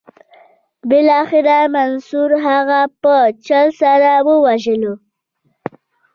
بالاخره منصور هغه په چل سره وواژه.